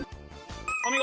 お見事！